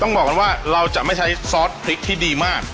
บอกกันว่าเราจะไม่ใช้ซอสพริกที่ดีมาก